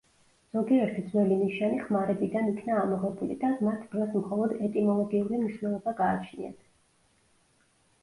ზოგიერთი ძველი ნიშანი ხმარებიდან იქნა ამოღებული და მათ დღეს მხოლოდ ეტიმოლოგიური მნიშვნელობა გააჩნიათ.